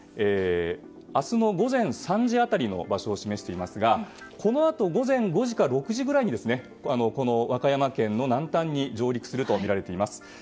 明日の午前３時辺りの場所を示していますがこのあと午前５時か６時くらいに和歌山県の南端に上陸するとみられています。